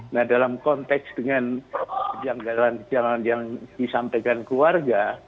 nah dalam konteks dengan kejanggalan kejanggalan yang disampaikan keluarga